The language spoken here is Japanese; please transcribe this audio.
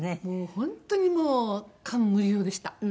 本当にもう感無量でしたうれしくて。